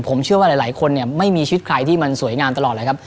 ผมเชื่อว่าหลายคนไม่มีชีวิตใครที่มันสวยงามตลอดอย่างไร